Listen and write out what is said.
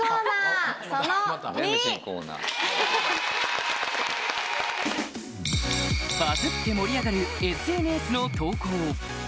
バズって盛り上がるＳＮＳの投稿